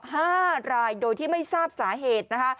ห้ารายโดยที่ไม่ทราบสาเหตุนะคะ